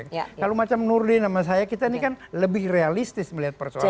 kalau macam nur di nama saya kita ini kan lebih realistis melihat persoalan ini